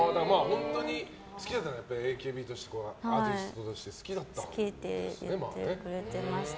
本当に好きだったんだＡＫＢとしてアーティストとして好きって言ってくれてました。